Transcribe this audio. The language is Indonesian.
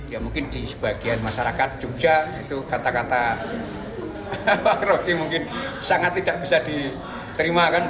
ya mungkin di sebagian masyarakat jogja itu kata kata pak rocky mungkin sangat tidak bisa diterima kan